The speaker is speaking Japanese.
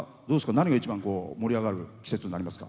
何が一番盛り上がる季節になりますか？